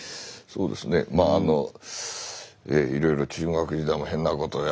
そうですねまああのいろいろ中学時代も変なことをやったり。